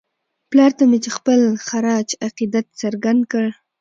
پلار ته مې یې خپل خراج عقیدت څرګند کړ.